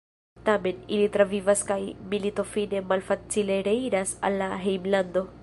Tamen, li travivas kaj militofine malfacile reiras al la hejmlando.